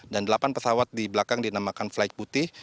dan delapan pesawat di belakang dinamakan flight putih